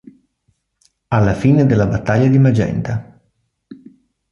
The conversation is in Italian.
Alla fine della battaglia di Magenta.